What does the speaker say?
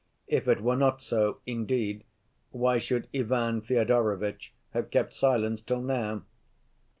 If it were not so, indeed, why should Ivan Fyodorovitch have kept silence till now?